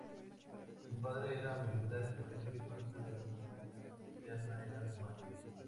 Su padre era un militar español y parte de la familia materna era cubana.